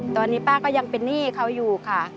ตอนนี้ป้าก็ยังเป็นหนี้เขาอยู่ค่ะ